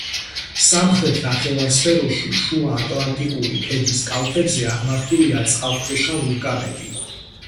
სამხრეთ ნახევარსფეროში შუაატლანტიკური ქედის კალთებზე აღმართულია წყალქვეშა ვულკანები.